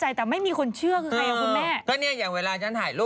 อยากให้เชื่อบ้างจังหล่อ